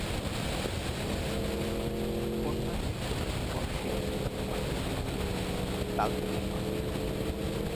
কন্যা নিয়ে চললেন বর সেই বিখ্যাত মাঠের মধ্যে, তালতড়ির মাঠ।